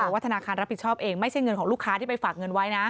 ว่าธนาคารรับผิดชอบเองไม่ใช่เงินของลูกค้าที่ไปฝากเงินไว้นะ